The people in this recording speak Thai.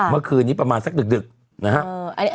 เมื่อคืนนี้ประมาณสักดึกนะครับ